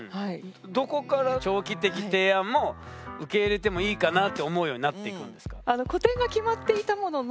どこから長期的提案も受け入れてもいいかなって思うようになっていくんですか？